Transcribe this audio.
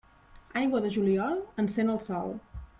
Aigua de juliol encén el sol.